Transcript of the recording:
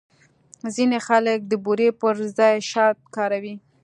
ځینې خلک د بوري پر ځای شات کاروي.